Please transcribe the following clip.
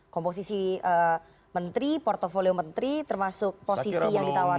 komposisi menteri portfolio menteri termasuk posisi yang ditawarkan